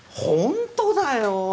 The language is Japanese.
本当だよ！